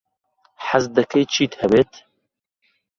حەز دەکەیت چیت هەبێت؟